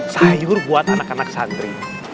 sayur buat anak anak santri